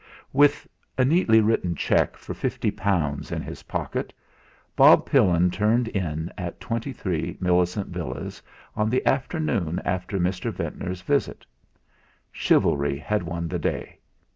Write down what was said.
2 With a neatly written cheque for fifty pounds in his pocket Bob Pillin turned in at 23, Millicent Villas on the afternoon after Mr. Ventnor's visit. Chivalry had won the day.